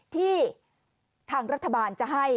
ที่ทางรัฐบาลจะให้